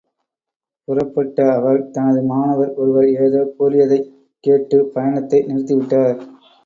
புறப்பட்ட அவர் தனது மாணவர் ஒருவர் ஏதோ கூறியதைக் கேட்டு பயணத்தை நிறுத்திவிட்டார்.